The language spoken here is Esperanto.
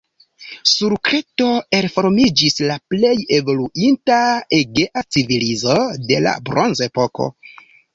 Sur Kreto elformiĝis la plej evoluinta egea civilizo de la bronzepoko.